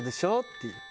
っていう。